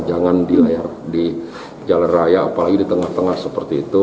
jangan di jalan raya apalagi di tengah tengah seperti itu